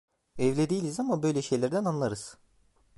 Evli değiliz ama, böyle şeylerden anlarız.